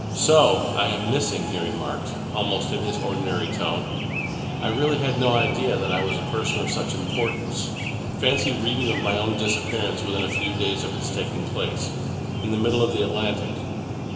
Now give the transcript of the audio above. "So I am missing," he remarked, almost in his ordinary tone. "I really had no idea that I was a person of such importance. Fancy reading of my own disappearance within a few days of its taking place, in the middle of the Atlantic!"